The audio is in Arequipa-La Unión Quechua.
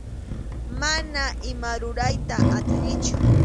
Mana ima rurayta atinichu.